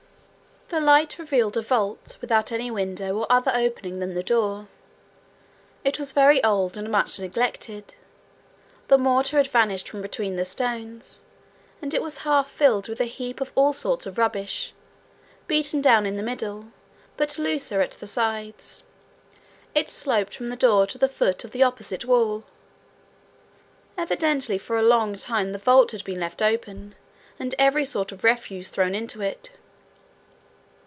The light revealed a vault without any window or other opening than the door. It was very old and much neglected. The mortar had vanished from between the stones, and it was half filled with a heap of all sorts of rubbish, beaten down in the middle, but looser at the sides; it sloped from the door to the foot of the opposite wall: evidently for a long time the vault had been left open, and every sort of refuse thrown into it.